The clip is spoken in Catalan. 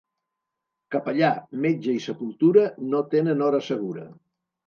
Capellà, metge i sepultura no tenen hora segura.